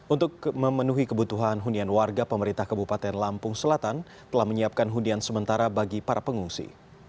untuk memenuhi kebutuhan hunian warga pemerintah kabupaten lampung selatan telah menyiapkan hunian sementara bagi para pengungsi